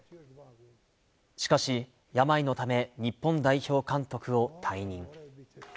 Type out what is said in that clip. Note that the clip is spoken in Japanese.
しかし病のため、日本代表監督を退任。